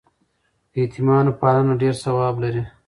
د یتیمانو پالنه ډېر ثواب لري.